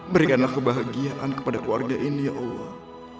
berikanlah kebahagiaan kepada keluarga ini ya allah